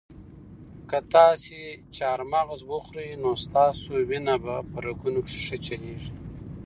که تاسي چهارمغز وخورئ نو ستاسو وینه به په رګونو کې ښه چلیږي.